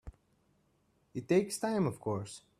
It takes time of course.